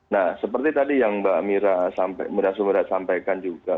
nah seperti tadi yang mbak mira sumira sampaikan juga